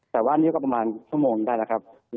แต่ว่าอันนี้ก็ประมาณชั่วโมงได้แล้วครับ